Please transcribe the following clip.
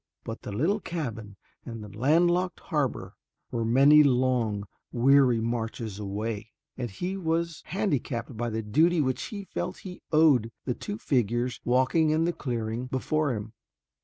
But the little cabin and the land locked harbor were many long, weary marches away, and he was handicapped by the duty which he felt he owed to the two figures walking in the clearing before him.